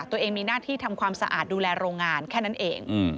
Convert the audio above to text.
ตัวเองมีหน้าที่ทำความสะอาดดูแลโรงงานแค่นั้นเอง